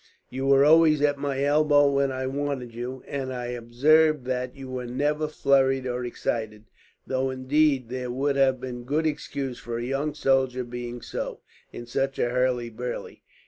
You were always at my elbow when I wanted you, and I observed that you were never flurried or excited; though indeed, there would have been good excuse for a young soldier being so, in such a hurly burly.